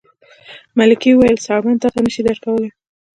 ملکې وویل څرمن تاته نه شي درکولی.